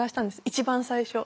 一番最初。